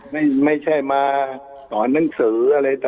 ไม่ใช่มาสอนหนังสืออะไรพวกนี้นะ